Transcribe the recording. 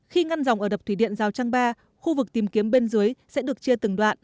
khi ngăn dòng ở đập thủy điện giao trang ba khu vực tìm kiếm bên dưới sẽ được chia từng đoạn